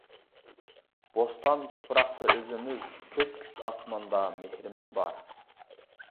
بوستان تۇپراقتا ئىزىمىز، كۆپكۆك ئاسماندا مېھرىمىز بار.